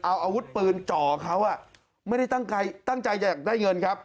เอาอาวุธปืนจ่อเขาไม่ได้ตั้งใจจะได้เงินครับ